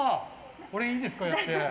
これいいですか、やって。